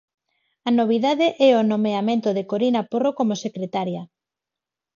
A novidade é o nomeamento de Corina Porro como secretaria.